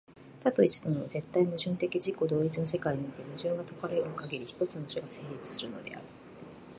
多と一との絶対矛盾的自己同一の世界において、矛盾が解かれるかぎり、一つの種が成立するのである。